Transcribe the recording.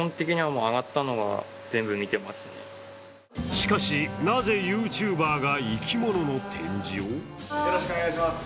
しかし、なぜＹｏｕＴｕｂｅｒが生き物の展示を？